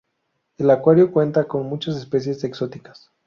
El acuario cuenta con muchas especies exóticas.